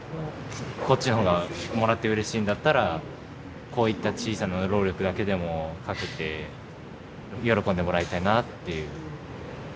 こっちの方がもらってうれしいんだったらこういった小さな労力だけでもかけて喜んでもらいたいなっていう。